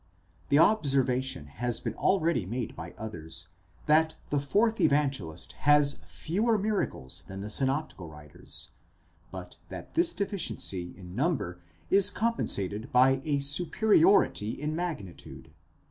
The observation has been already made by others, that the fourth Evangelist has fewer miracles than the synoptical writers, but that this deficiency in num ber is compensated by a superiority in magnitude.